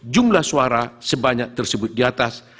jumlah suara sebanyak tersebut di atas